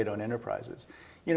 dengan pemerintah di negara